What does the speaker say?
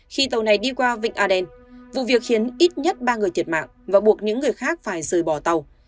khi tàu này đi qua vịnh aden vụ việc khiến ít nhất ba người thiệt mạng và buộc những người khác phải rời bỏ tàu